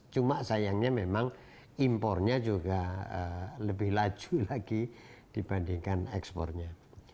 cuma sayangnya memang impornya juga lebih laju lagi dibandingkan ekspornya